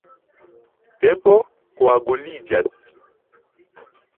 Tempo koaguliĝas.